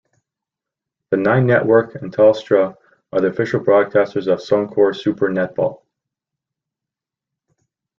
The Nine Network and Telstra are the official broadcasters of Suncorp Super Netball.